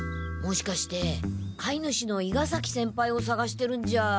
もしかしてかい主の伊賀崎先輩をさがしてるんじゃ。